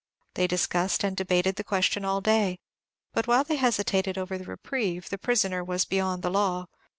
They discussed and debated the question all day; but while they hesitated over the reprieve, the prisoner was beyond the law.